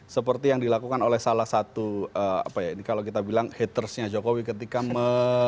seperti yang dilakukan oleh salah satu kalau kita bilang hatersnya jokowi ketika me